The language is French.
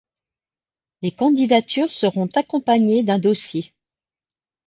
Les candidatures seront accompagnées d’un dossier.